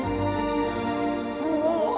おお！